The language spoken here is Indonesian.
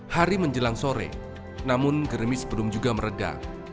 hari menjelang sore namun germis belum juga meredah